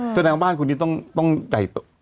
จนแหละบ้านคุณนี้ต้องใหญ่ต่อ